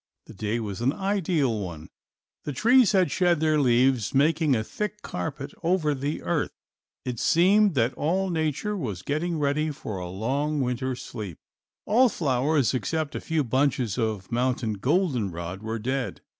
The day was an ideal one. The trees had shed their leaves, making a thick carpet over the earth. It seemed that all nature was getting ready for a long winter sleep. All flowers except a few bunches of mountain goldenrod were dead.